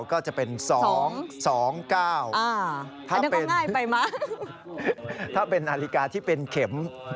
ก็จะเป็น๒๒๙ถ้าเป็นถ้าเป็นนาฬิกาที่เป็นเข็ม